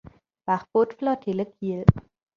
Wachboot-Flottille Kiel.